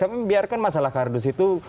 kami membiarkan masalah kardus itu